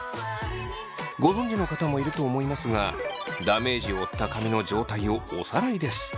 ご存じの方もいると思いますがダメージを負った髪の状態をおさらいです。